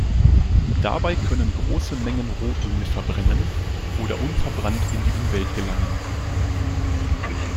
Dabei können große Mengen Rohöl verbrennen oder unverbrannt in die Umwelt gelangen.